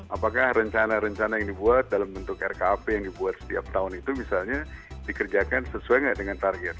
apakah rencana rencana yang dibuat dalam bentuk rkap yang dibuat setiap tahun itu misalnya dikerjakan sesuai nggak dengan target